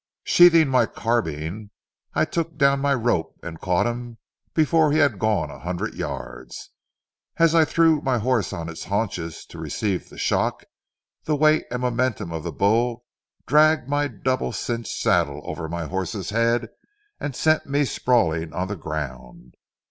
Sheathing my carbine, I took down my rope and caught him before he had gone a hundred yards. As I threw my horse on his haunches to receive the shock, the weight and momentum of the bull dragged my double cinched saddle over my horse's head and sent me sprawling on the ground.